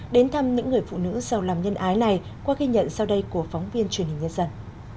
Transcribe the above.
đến thăm những người phụ nữ sầu lòng nhân ái này qua ghi nhận sau đây của phóng viên truyền hình nhân dân